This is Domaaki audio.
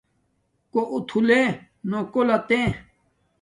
کݸ اُتھُلݺ نݸ کݸ لَتݻ.